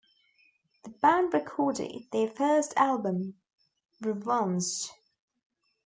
The band recorded their first album Revansj!